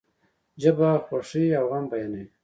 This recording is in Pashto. ژبه خوښی او غم بیانوي.